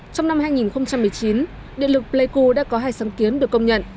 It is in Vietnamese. trong năm hai nghìn một mươi chín điện lực play cool đã có hai sáng kiến được công nhận